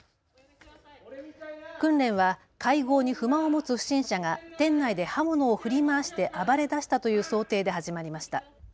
訓練は会合に不満を持つ不審者が店内で刃物を振り回して暴れだしたという想定で始まりました。